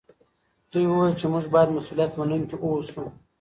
دوی وویل چې موږ باید مسوولیت منونکي اوسو.